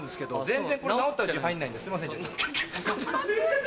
全然これ直ったうちに入んないすいませんちょっと。